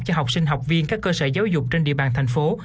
cho học sinh học viên các cơ sở giáo dục trên địa bàn thành phố